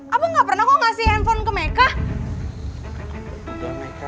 aku gak pernah kok ngasih handphone ke mereka